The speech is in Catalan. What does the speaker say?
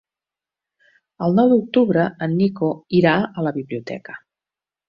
El nou d'octubre en Nico irà a la biblioteca.